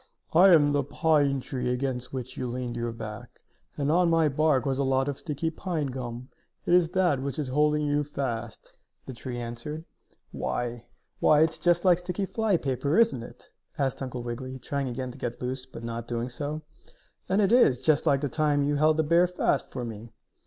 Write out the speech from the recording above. "I am the pine tree against which you leaned your back. And on my bark was a lot of sticky pine gum. It is that which is holding you fast," the tree answered. "Why why, it's just like sticky flypaper, isn't it?" asked Uncle Wiggily, trying again to get loose, but not doing so. "And it is just like the time you held the bear fast for me."